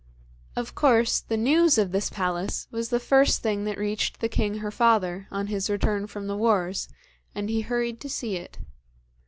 Of course the news of this palace was the first thing that reached the king her father, on his return from the wars, and he hurried to see it.